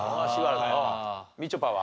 みちょぱは？